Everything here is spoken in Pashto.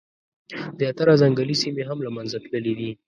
زیاتره ځنګلي سیمي هم له منځه تللي دي.